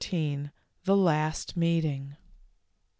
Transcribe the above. THE LAST MEETING.